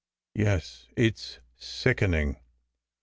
"Yes. It s sickening."